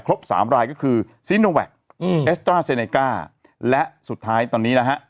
สามรายก็คือซีโนแวคเอสตราเซเนก้าและสุดท้ายตอนนี้นะฮะ